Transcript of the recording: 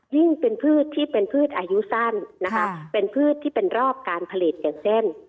ยิ่งเป็นพืชที่เป็นพืชอายุสั้นนะคะเป็นพืชที่เป็นรอบการผลิตอย่างเช่น